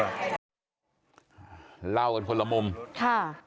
เล่ากันคนละมุมค่ะค่ะแล้วกันคนละมุมค่ะ